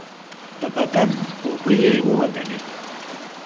د بدن اوبه یې ووتلې.